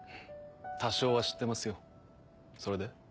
多少は知ってますよそれで？